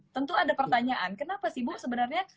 tentu ada pertanyaan kenapa sih bu sebenarnya